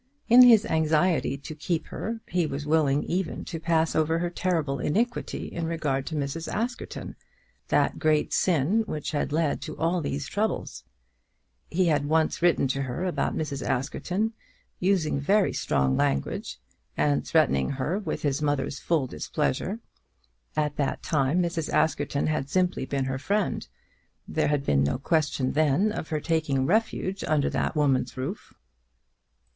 In his anxiety to keep her he was willing even to pass over her terrible iniquity in regard to Mrs. Askerton, that great sin which had led to all these troubles. He had once written to her about Mrs. Askerton, using very strong language, and threatening her with his mother's full displeasure. At that time Mrs. Askerton had simply been her friend. There had been no question then of her taking refuge under that woman's roof.